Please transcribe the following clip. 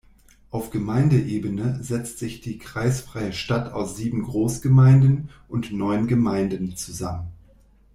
Auf Gemeindeebene setzt sich die kreisfreie Stadt aus sieben Großgemeinden und neun Gemeinden zusammen.